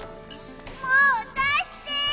もうだして！